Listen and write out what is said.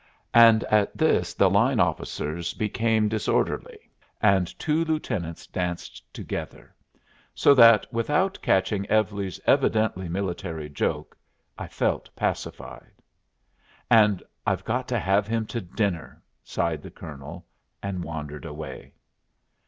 And at this the line officers became disorderly, and two lieutenants danced together; so that, without catching Evlie's evidently military joke, I felt pacified. "And I've got to have him to dinner," sighed the Colonel, and wandered away.